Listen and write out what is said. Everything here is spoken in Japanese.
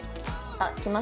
あっ。